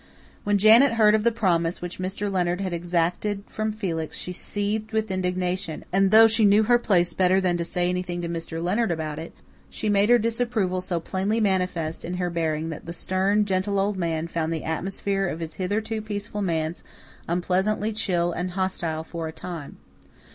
When Janet heard of the promise which Mr. Leonard had exacted from Felix she seethed with indignation; and, though she "knew her place" better than to say anything to Mr. Leonard about it, she made her disapproval so plainly manifest in her bearing that the stern, gentle old man found the atmosphere of his hitherto peaceful manse unpleasantly chill and hostile for a time.